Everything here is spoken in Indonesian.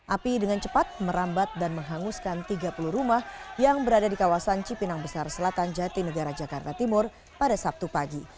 api dengan cepat merambat dan menghanguskan tiga puluh rumah yang berada di kawasan cipinang besar selatan jati negara jakarta timur pada sabtu pagi